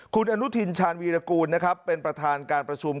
คุณอนุทินชาญวีรกูลนะครับเป็นประธานการประชุม